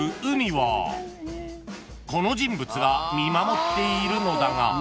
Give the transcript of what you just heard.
［この人物が見守っているのだが］